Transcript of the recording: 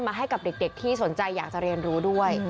ให้กับเด็กที่สนใจอยากจะเรียนรู้ด้วย